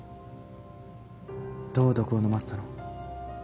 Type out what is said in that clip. どう毒を飲ませたの？